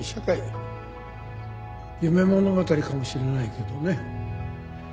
夢物語かもしれないけどね